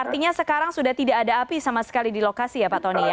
artinya sekarang sudah tidak ada api sama sekali di lokasi ya pak tony ya